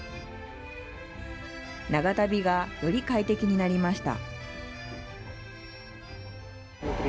長旅がより快適になりました。